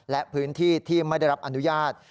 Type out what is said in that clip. และพื้นที่ที่ไม่ได้รับอนุญาต